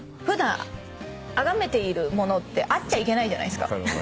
普段あがめているものって会っちゃいけないじゃないですか。